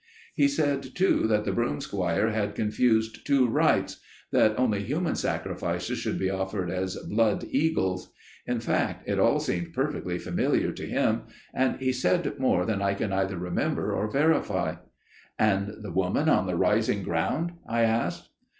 He said too that the broomsquire had confused two rites––that only human sacrifices should be offered as 'blood eagles.' In fact it all seemed perfectly familiar to him: and he said more than I can either remember or verify." "And the woman on the rising ground?" I asked.